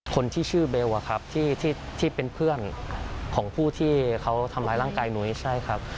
คนที่ชื่อเบลอะครับที่เป็นเพื่อนของผู้ที่เขาทำร้ายร่างกายนุ้ยใช่ครับ